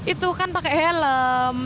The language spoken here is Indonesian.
itu kan pakai helm